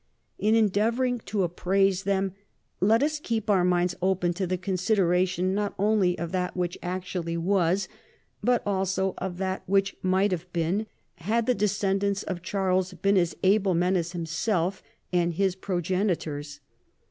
In endeavoring to appraise them let us keep our niinds open to the consideration not only of that which actually was, but also of that which might have been, had the descendants of Charles been as able men as himself and his pro genitors.